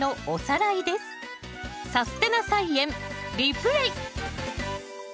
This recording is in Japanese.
「さすてな菜園リプレイ」！